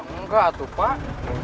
enggak tuh pak